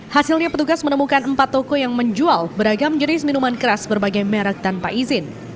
hasilnya petugas menemukan empat toko yang menjual beragam jenis minuman keras berbagai merek tanpa izin